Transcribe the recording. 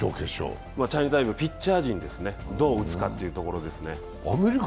チャイニーズ・タイペイのピッチャー陣ですね、どう打つかというところですね。